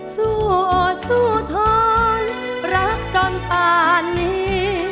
สู้อดสู้ท้อนรักก่อนตอนนี้